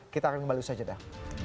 kita akan kembali bersajar dah